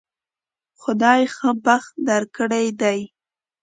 خدای ښه بخت درکړی دی